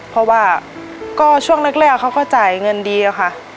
เพราะว่าก็ช่วงแรกเขาก็จ่ายเงินดีอะค่ะ